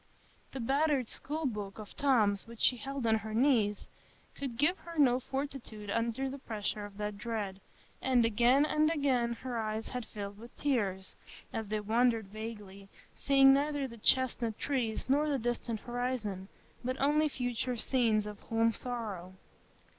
The battered school book of Tom's which she held on her knees could give her no fortitude under the pressure of that dread; and again and again her eyes had filled with tears, as they wandered vaguely, seeing neither the chestnut trees, nor the distant horizon, but only future scenes of home sorrow.